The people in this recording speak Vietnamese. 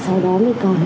sau đó mới còn